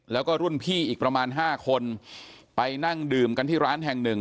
แล้วก็รุ่นพี่อีกประมาณห้าคนไปนั่งดื่มกันที่ร้านแห่งหนึ่ง